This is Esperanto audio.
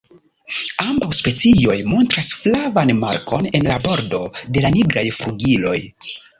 Ambaŭ specioj montras flavan markon en la bordo de la nigraj flugiloj.